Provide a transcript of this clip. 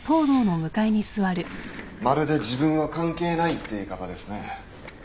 まるで自分は関係ないって言い方ですね。